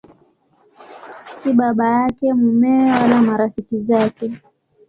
Si baba yake, mumewe wala marafiki zake.